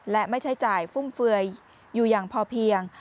และไม่ใช้จ่ายฟุ่มเฟือยอยู่อย่างพอเพียง